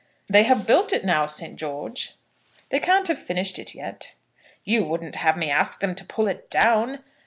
"They have built it now, Saint George." "They can't have finished it yet." "You wouldn't have me ask them to pull it down?